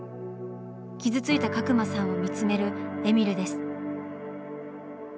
傷ついた角間さんを見つめるえみるです。